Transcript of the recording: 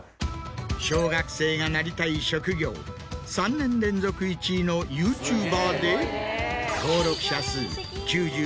小学生がなりたい職業３年連続１位のＹｏｕＴｕｂｅｒで。